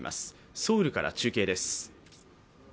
ソウルから中継です。